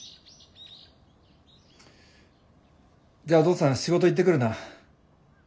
じゃあお父さん仕事行ってくるな。